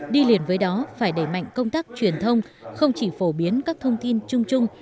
đi liền với đó phải đẩy mạnh công tác truyền thông không chỉ phổ biến các thông tin chung chung